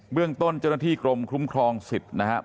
เรื่องต้นเจ้าหน้าที่กรมคุ้มครองสิทธิ์นะครับ